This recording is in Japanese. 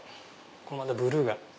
ここまたブルーが。